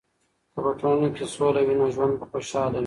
که په ټولنه کې سولې وي، نو ژوند به خوشحاله وي.